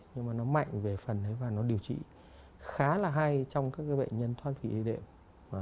nhưng mà nó mạnh về phần đấy và nó điều trị khá là hay trong các bệnh nhân thoát vị đệm